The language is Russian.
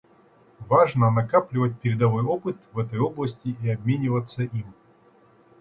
Важно накапливать передовой опыт в этой области и обмениваться им.